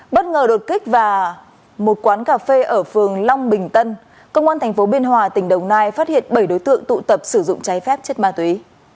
bất ngờ đột kích vào một quán cà phê ở phường long bình tân công an tp biên hòa tỉnh đồng nai phát hiện bảy đối tượng tụ tập sử dụng trái phép chất ma túy